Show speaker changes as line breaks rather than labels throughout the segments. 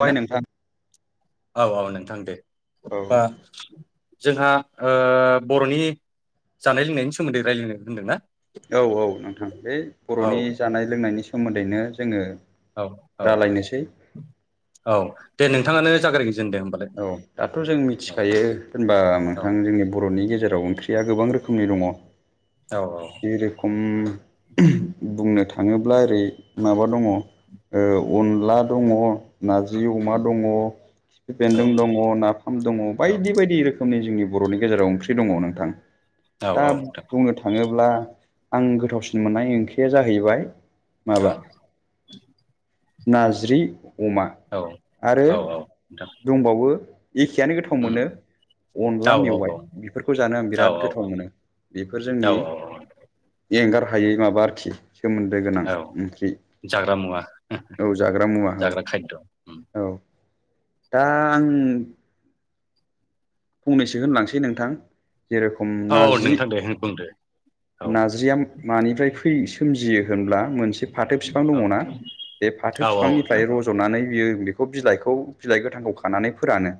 जाबाय
हाय
ना?
नोंथां
औ औ नोंथां दे
औ
होमबा जोंहा ओ बर'नि जानाय-लोंनायनि सोमोन्दै रायलायनो होनदोंना?
औ औ नोंथां बे
औ
बर'नि जानाय-लोंनायनि सोमोन्दैनो जोङो
औ औ
रायलायनोसै
औ दे नोंथाङानो जागायग्रो
औ दाथ' जों मिथिखायो होनबा
औ
नोंथां जोंनि बर'नि गेजेर आव ओंख्रिया गोबां रोखोमनि दङ।
औ औ
जेरै खम बुंनो थाङोब्ला ओरै माबा दङ ओ अनला दङ, नारजि अमा
उम
दङ, खिफि
औ
बेन्दों दङ, नाफाम दङ
औ
बायदि बायदि रोखोमनि जोंनि बर'नि गेजेराव ओंख्रि दङ नोंथां।
औ
दा
औ नोंथां
बुंनो थाङो ब्ला आं गोथावसिन मोननाय ओंख्रिया जाहैबाय
औ
नाज्रि अमा
औ
आरो
औ औ नोंथां
दंबावो एखेआनो गोथाव
उम
मोनो
औ
अनला
औ
मेवाइ बेफोरखौ जानो आं
औ
बिराद गोथाव मोनो। बेफोर
औ
जोंनि एंगार हायै माबा आरोखि सोमोन्दो गोनां
औ औ
ओंख्रि
जाग्रा मुवा
औ जाग्रा मुवा औ
जाग्रा खायद' उम
औ। दा आं फंनैसो होनलांसै नोंथां जेरखम
औ औ
नारजि
नोंथां दे बुंदो औ
नाज्रिया मानिफ्राय फैयो सोमजियो होनब्ला मोनसे फाथो बिफां
औ
दङना बे
औ
फाथो
औ नोंथां
बिफांनिफ्राय रज'नानै बियो बेखौ बिलाइखौ बिलाइ गोथांखौ खानानै फोरानो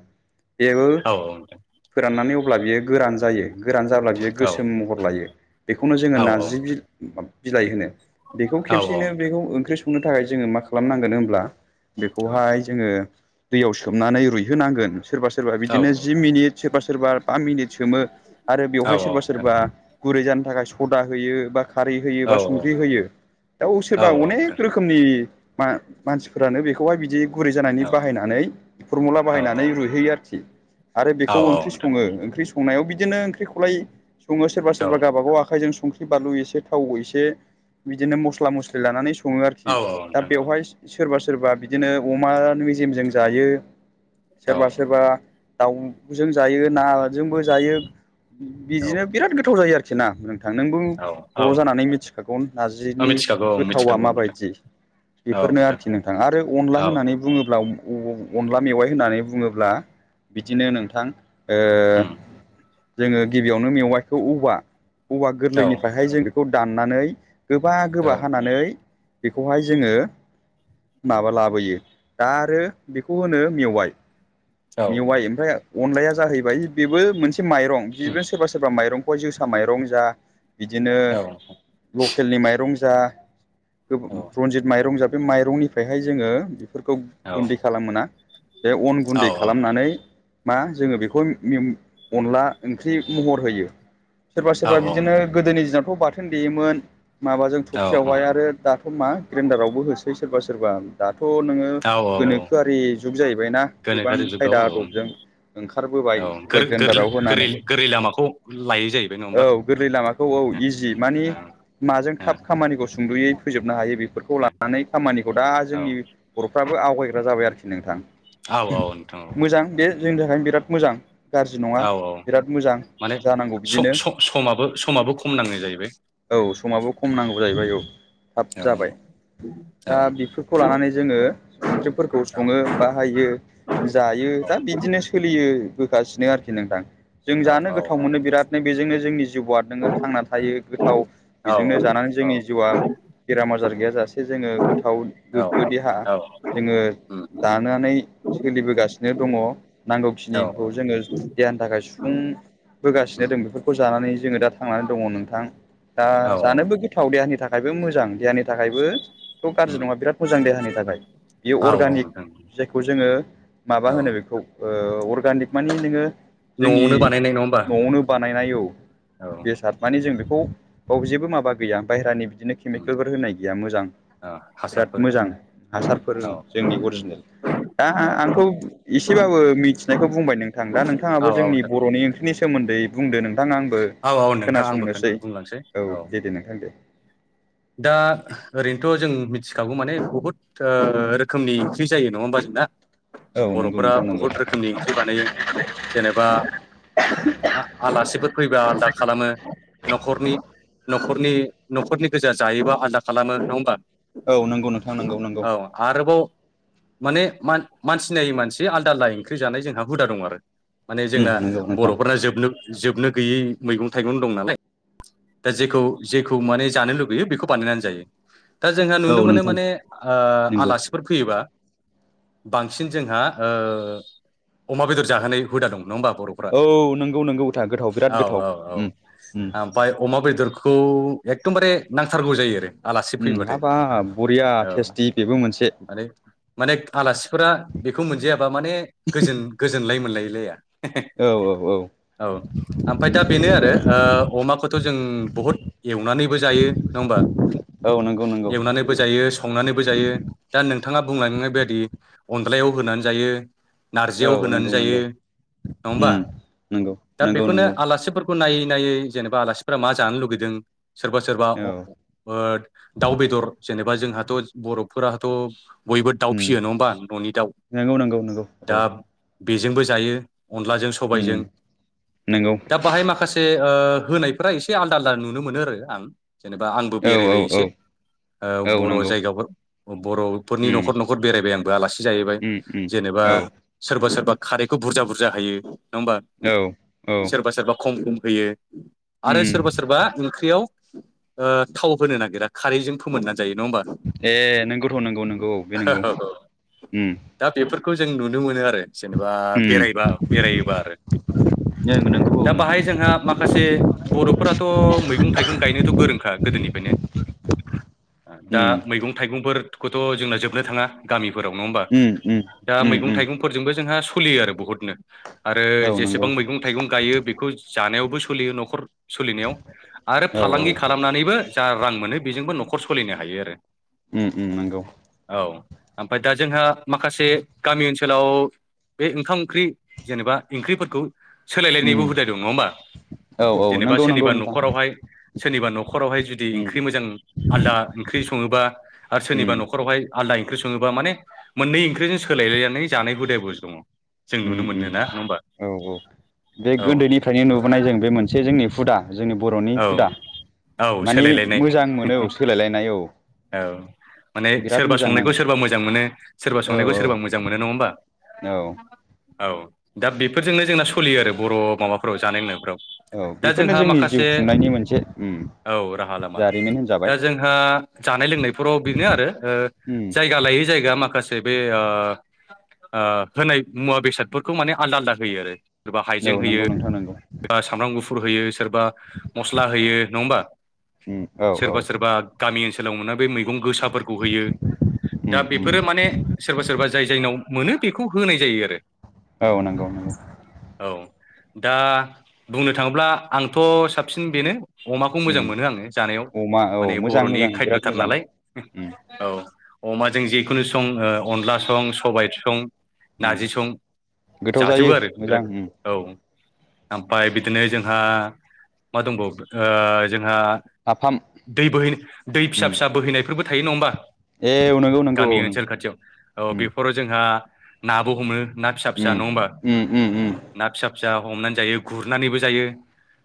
बेबो
औ औ
फोराननानै अब्ला बियो गोरान जायो। गोरान जाब्ला बियो
औ
गोसोम महर लायो बेखौनो जोङो
औ औ
नार्जि
नोंथां
बि-बिलाइ होनो। बेखौ
औ औ
खेबसेनो बेखौ ओंख्रि संनो थाखाय जोङो मा खालामनांगोन होमब्ला बेखौहाय जोङो दैयाव सोमनानै रुइहोनांगोन सोरबा सोरबा बिदिनो जि मिनिट सोरबा सोरबा बा मिनिट सोमो आरो बेवहाय सोरबा
नोंथां
सोरबा गुरै जानो थाखाय सदा होयो बा खारै होयो
औ
बा
औ
संख्रि होयो बेव
औ
सोरबा
नोंथां
अनेक रोखोमनि मा-मानसिफोरानो बेखौहाय बिदि गुरै जानानै
औ
बाहायनानै फरमुला
औ औ
बाहायनानै रुइहैयो आरोखि। आरो
औ
बेखौ
औ
ओंख्रि
नोंथां
सङो ओंख्रि संनायाव बिदिनो ओंख्रिखौलाय सङो सोरबा
औ
सोरबा गावबागाव आखाइजों स संख्रि बानलु एसे थाव एसे बिदिनो मस्ला मस्लि लानानै सङो
औ
आरोखि
औ
दा
नोंथां औ
बेवहाय सोरबा सोरबा बिदिनो अमा मेजेमजों जायो।
औ
सोरबा सोरबा दाउजों जायो नाजोंबो जायो। बिदिनो बिराद गोथाव जायो आरोखि ना। थां, नोंगौ
औ औ
बर' जानानै मिथिखागौ
औ
नारजिनि
मिथिखागौ औ
गोथावा
मिथिखागौ नोंथां
माबायदि। बेफोरनो आरोखि नोंथां आरो अनला
औ
होननानै बुङोब्ला अअ अनला मेवाइ होननानै बुङोब्ला बिदिनो नोंथां ओ
उम
जोङो गिबियावनो मेवाइखौ औवा औवा
औ
गोरलैनिफ्रायहाय जों बेखौ दाननानै गोबा गोबा
नोंथां
हानानै बेखौहाय जोङो माबा लाबोयो दा आरो बेखौ होनो मेवाइ
औ
मेवाइ
नोंथां
ओमफ्राय अनलाया जाहैबाय बेबो मोनसे माइरं
उम
बिनो सोरबा सोरबा माइरं खय जोसा माइरं जा बिदिनो
औ नोंथां औ नोंथां औ
लकेलनि माइरं जा
औ
रनजित माइरं जाबै माइरंनिफ्रायहाय जोङो फोरखौ गुन्दै खालाम मोना बे अन गुन्दै खालामनानै। मा जोङो बेखौ उम अनला ओंख्रि महर होयो। सोरबा सोरबा बिदिनो गोदोनि दिनावथ' बाथोन देयोमोन माबाजों
औ औ
थफियावहाय आरो दाथ' मा ग्रेन्डारावबो होसै सोरबा सोरबा दथह थ' नोङो
औ
गोनोखोआरि जुग जाहैबायना गोबां
गोनोखोआरि जुगाव
खायदा
औ
आदबजों ओंखारबोबाय
औ
सुपार
गोर- गोरलै
जेनदाराव
गोरै
होनानै
गोरै लामाखौ लायै जाहैबाय नङा होमबा
औ गोरलै लामाखौ औ
ओ
इजि माने
ओ
माजों थाब खामानिखौ सुंदुयै फोजोबनो हायो बे बेफोरखौ लानानै खामानिखौ दा
ओ
जोंनि बर'फ्राबो आवगायग्रा जाबाय आरोखि नोंथां।
औ नोंथां औ
मोजां बे जोंनि थाखायनो बिराद मोजां गाज्रि नङा
औ औ
बिराद मोजां
माने
जानांगौ
स
बिदिनो
स समाबो समाबो खम नाङो। जायैबाय
औ समाबो खम नांगौ जाहैबाय औ थाब
औ
जाबाय। दा बेफोरखौ लानानै जोङो ओंख्रिफोरखौ सङो बाहायो जायो दा बिदिनो सोलियो होगासिनो आरोखि नोंदां। जों जानो गोथाव मोनो बिरादनो बेजोंनो जोंनि जिउआ नोङो थांना थायो गोथाव
औ
बेजोंनो जानानै। जोंनि जिउआ बेराम आजार गैयाजासे जोङो गोथाव गोग्गो देहा जोङो दानानै सोलिबोगासिनो दङ नांगौखिनिखौ जोङो देहानि थाखाय सुफुं होगासिनो दं बेफोरखौ जानानै जोङो दा थांनानै दङ नोंथां दा जानोबो गोथाव देहानि थाखाय। थाखायबो मोजां देहानि थाखायबोथ' गाज्रि नङा बिराद मोजां देहानि थाखाय बियो अर्गानिक जायखौ जोङो
औ
माबा होनो बेखौ ओ अर्गानिक मानि नोङो जोंनि
नोंथां औ
न'आवनो बानाय नायनाय औ बेसाद माने जों बेखौ बाव जेबो माबा गैया बाहेरानि बिदिनो केमिकेलफोर होनाय गैया मोजां। बिराद मोजां हासारफोर दं जोंनि अरिजिनेल दा आंथ' इसेबाबो मिथिनायखौ बुंबाय नोंथां दा
औ
नोंथाङाबो जोंनि बर'नि ओं नि सोमोन्दै बुंदो नोंथाङा आंबो
औ नोंथां आंबो
खोनासंनोसै
बुंलांसै
औ दे दे नोंथां दे
दा ओरैनोथ' जों मिथिखागौ मानि बुहुत ओ रोखोमनि ओंख्रि जायो नङा होमबा
औ नंगौ
बर'फोरा
नोंथां नंगौ
बहुद रोखोमनि ओंख्रि बानायो जेनेबा आ आलासिफोर फैबा आलदा खालामो न'खरनि न'खरनि नख गोजा जायोबा आलादा खालामो नङा होमबा
औ नंगौ नोंथां नंगौ नंगौ
औ आरोबाव माने मानसि नायै मानसि आलदा आलदा ओंख्रि जानाय जोंहा हुदा दं आरो। माने जोंना
नंगौ नोंथां
बर'फोरना जोबनो जोबनो गैयै मैगं थाइगं दं नालाय दा जेखौ जेखौ माने जानो लु होयो बेखौ बानायनानै जायो दा जोंहा
औ
नुनो मोनो
नोंथां
माने ओ
नंगौ
आलासिफोर फैयोबा बांसिन जोंहा अमा बेदर जाहोनाय हुदा दं नङा होमबा बर'फोरा
औ नंगौ नंगौ था गोथाव बिराद
औ
गोथाव
औ औ
उम उम
ओमफ्राय अमा बेद बेदरखौ एखदमबारे नांथारगौ जायो आरो। आलासि
उम
फैबाथाय
हाबाब बरिया टेस्टि बेबो मोनसे
आरे माने आलासिफोरा बेखौ मोनजायाबा माने गोजोन गोजोनलाय मोनलायो।
औ औ औ
औ ओमफ्राय दा बेनो आरो अमाखौथ' जों बहुद एवनानैबो जायो। बा
औ नंगौ नंगौ
एवनानैबो जायो संनानैबो जायो दा नोंथाङा बुंलांनाय बादि अ अनल्दायाव होनानै जायो।
औ
नारजियाव होनानै
नंगौ
जायो
नंगौ
नंङाहोमबा
उम नंगौ
दा
नंगौ
बेखौनो
नंगौ
आलासिफोर खौ नायै नायै जेनेबा आलासिफोरा मा जानो लुगैदों सोरबा सोरबा
औ
अ ओ दाउ बेदर जेनेबा जोंहाथ' बर'फोराथ' बयबो दाउ
उम
फिसियो नङा होमबा न'नि दाउ
नंगौ नंगौ नंगौ
दा
औ
बेजोंबो जायो अनलाजों
उम
सबायजों
नंगौ
दा बाहाय माखासे ओ होनायफ्रा एसे आलदा आलदा नुनो मोनो आरो आं। जेनेबा आंबो
औ औ
बेरायबाय एसे
औ औ
बर'
नंगौ
जायगाफोर बर'फोरनि
उम
न'खर न'खर बेरायबाय आंबो आलासि जाहैबाय
उम उम
जेनेबा
औ
सोरबा सोरबा खारैखौ बुरजा बुरजा होयो नङा होमबा
औ औ
सोरबा सोरबा खम खम होयो आरो
उम
सोरबा सोरबा ओंख्रियाव ओ थाव होनो नागिरा खारैजों फोमोनो जायो नङा होमबा
ए नोंगौथ' नंगौ नंगौ औ बे नंगौ
ओहोऔ
उम
दा बेफोर खौ जों नुनो मोनो आरो जेनेबा
उम
बेरायबा बेरायोबा आरो
नंगौ औ
दा
नोंथां
बाहाय जोंहा माखासे बर'फोराथ' मैगं थाइगं गायनो द गोदोनिफ्रायनो दा
उम
मैगं थाइगंफोर खौथ' जोंना जोबनो थाङा गामिफोराव नङा होमबा
उम उम
दा
उम
मैगं
उम
थाइगंफोरजोंबो जोंहा सोलियो आरो बहुतनो आरो
औ नंगौ
जेसेबां मैगं थाइगं गायो बेखौ जानायावबो सोलियो न'खर सलिनायाव आरो
औ
फालांगि बो जा रां मोनो बेजोंबो न'खर सलिनो हायो आरो‌।
उ उ नंगौ
औ ओमफ्राय दा जोंहा माखासे गामि ओनसोलाव बे ओंखाम ओंख्रि जेनेबा ओंख्रिफोरखौ।
उम
सोलायलायनायबो हुदा दं नङा होमबा,
औ औ
जेनेबा
नंगौ नंगौ
सोरनिबा
नोंथां
न'खरावहाय सोरनिबा न'खरावहाय जुदि
उम
ओंख्रि मोजां आलदा ओंख्रि सङोबा आरो सोरनिबा
उम
न'खरावहाय आलदा ओंख्रि सङोबा माने मोननै ओंख्रिजों सोलायलायनानै जानाय हुदाबो दङ। जों
उम
नुनो मोनो
उम
ना नङा होमबा
औ औ बे
औ
गोदोनिफ्रायनो नुबोनाय जों बे मोनसे जोंनि हुदा। जोंनि बर'नि
औ
हुदा
औ
मानि
सोलायलायनाय
मोजां मोनो औ सोलायलायनाय औ।
औ माने
बिराद
सोरबा
मोजां
संनायखौ
नाङो
सोरबा मोजां मोनो, सोरबा
औ
संनायखौ
औ
सोरबा मोजां मोनो नङा होमबा?
औ।
औ दा बेफोरजोंनो जोंना सलियो आरो बर' माबाफोराव जानाय लोंनायफ्राव।
औ बेफोरनो जोंनि जिउ खुंनायनि मोनसे ओ
औ राहा लामा दा जोंहा जानाय लोंनायफोराव बेनो आरो
उम
जायगा लायै जायगा माखा से बे ओ ओ होनाय मुवा बेसादफोरखौ माने आलदा आलदा होयो आरो।
औ नंगौ नोंथां नोंगौ।
सोरा सामब्राम गुफुर होयो, सोरबा मस्ला होयो नङा होमबा।
उम औ औ
सोरबा सोरबा गामि ओनसो लाव बे मैगं गोसाफोरखौ होयो दा
उम उम
बेफोरो माने सोरबा सोरबा जाय जायनाव मोनो बेखौ होनाय जायो आरो।
औ नंगौ नंगौ।
औ दा बुंनो थाङोब्ला आंथ' साबसिन बेनो। अमाखौ मोजां
उम
मोनो आङो जानायाव।
अमा औ
माने
मोजां
बर'नि
मोजां बिराद
खायदथार
मोजां
नालाय
उम
हो औ। अमाजों जिखुनु सं ओ अनला सं, सबायाइ सं,
उम
नारजि सं
गोथाव जायो
जाजोबो आरो
मोजां
बिराद
उम
औ। ओमफ्राय बिदिनो जोंहा मा दंबावो ओ जोंहा
नाफाम
दै बोहै दै फिसा
उम
फिसा बोहैनायफोरबो थायो नङा होमबा?
ए नंगौ नंगौ
गामि
औ नंगौ
ओनसोल खाथियाव औ
उम
बेफोराव जोंहा नाबो हमो ना फिसा फिसा
उम
नंङा होमबा,
उम उम उम
ना फिसा फिसा हमनानै जायो ह, गुरनानैबो जायो।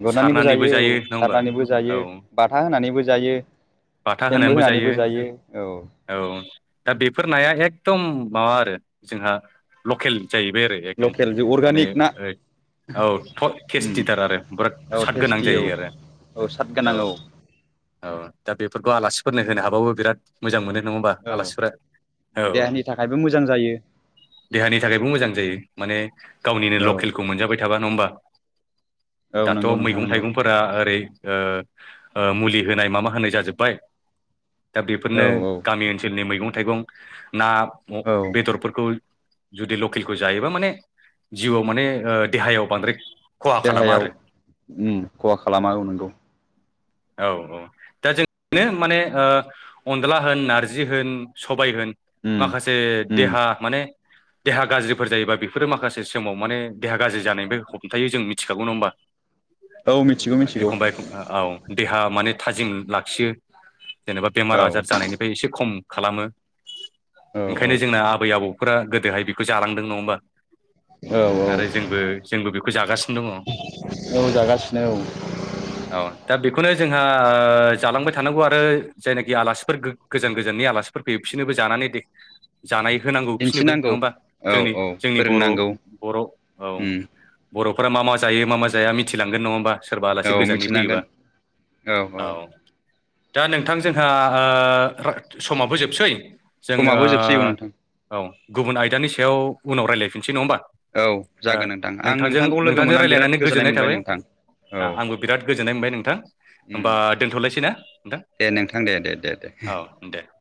गुरनानैबो
सारनानैबो
जायो औ
नङा होमबा
सारनानैबो जायो,
औ
बाथा होनानैबो जायो। सेनबो होनानैबो जायो औ।
दा बेफोर नाया एकदम माबा आरो जोंहा लकेल जायो बे एखदम
लकेल जे
माने
अर्गानिक ना
ओ औ
उम
टेस्टिथार आरो बिराद
औ
साद गोनां
टेस्टि औ
जायो आरो
औ साद गोनां औ
औ दा बेफोरखौ आलासिफोरनो होनो हाबाबो बिराद मोजां मोनो। नङाहोमबा
औ
आलासिफोरा औ।
देहानि थाखायबो मोजां जायो
देहानि थाखायबो मोजां जायो माने गावनिनो
औ
लकेलखौ मोनजाबाय थाबा नङा होमबा
औ
दाथ'
नंगौ नोंथां
मैगं
नंगौ
थाइगंफोरा ओरै ओ ओ मुलि होनाय माबा होनाय जाजोब्बाय। दा
औ
बेफोरनो
औ
गामि ओनसोलनि मैगं थाइगं ना
औ
बेदरफोरखौ जुदि लकेलखौ जायोबा माने जिउआव माने देहायाव बांद्राय खहा खालामा
देहायाव
आरो
ओ खहा खालामा नांगौ।
औ औ दा जोंनो माने अनला होन, नारजि होन, सबाय होन
उम
माखासे
उम
देहा माने देहा गाज्रिफोर जायोबा बेफोरो माखासे समाव माने देहा गाज्रि जानाय बे हमथायो जों मिथिखागौ नङा होमबा
औ मिथिगौ मिथिगौ
एखमबा एखमबा औ। देहा माने थाजिम लाखियो जेनेबा बेमार
औ
आजार जानायनिफ्राय एसे खम खालामो
औ
ओंखायनो जोंना आबै आबौफोरा गोदोहाय बेखौ जालांदों नङा होमबा।
औ औ
आरो जोंबो जोंबो बेखौ जागासिनो दङ
औ जागासिनो औ
औ दा बेखौ बेखौनो जोंहा ओ जालांबाय थानांगौ आरो जायनाखि आलासिफोर गो-गोजान गोजाननि आलासिफोर फै बिसिनोबो जानानै दे जानाय होनांगौ फिसिनोबो
दिन्थिनांगौ
नङा होमबा
औ
जोंनि
औ
जोंनि बर'
फोरोंनांगौ
बर' औ।
उम
बर'फोरा मा मा जायो मा मा जाया मिथिलांगोन नङा होमबा। सोरबा
औ
आलासि गोजाननि
मिथिनांगोन
फैयोबा औ दा नोंथां जोंहा ओ समाबो जोबसै जोङो
समाबो जोबसैगौ नोंथां
औ गुबुन आयदानि सायाव उनाव रायज्लायफिनसै नङा होमबा
औ
ओ
जागोन नोंथां आं
नोंथांजों
नोंथांखौ लोगो
नोंथांजों
मोननानै बिराद
रायज्लायनानै गोजोननाय
मोनबाय
थाबाय
नोंथां औ
आंबो बिराद गोजोननाय मोनबाय नोंथां
उम
होमबा दोनथ'लायसै ना नोंथां
दे नोंथां दे दे दे दे
औ दे